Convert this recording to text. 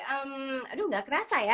aduh gak kerasa ya